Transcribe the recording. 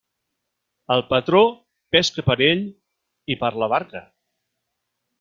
El patró pesca per ell i per la barca.